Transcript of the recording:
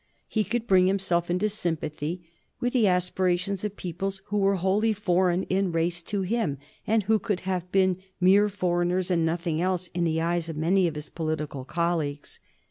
He could bring himself into sympathy with the aspirations of peoples who were wholly foreign in race to him, and who would have been mere foreigners and nothing else in the eyes of many of his political colleagues.